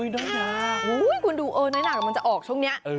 น้อยหนาคุณดูน้อยหนากลังจะออกช่วงนี้